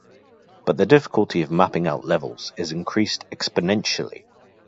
But the difficulty of mapping out levels is increased exponentially.